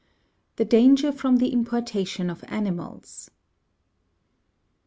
THE DANGER FROM THE IMPORTATION OF ANIMALS.